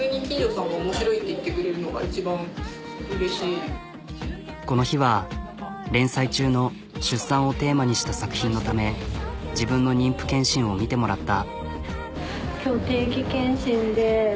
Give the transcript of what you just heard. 何か何かこの日は連載中の出産をテーマにした作品のため自分の妊婦健診を見てもらった。